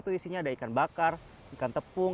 di sini ada ikan bakar ikan tepung